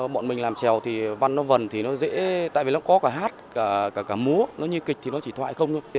bọn mình làm trèo thì văn nó vần tại vì nó có cả hát cả múa nó như kịch thì nó chỉ thoại không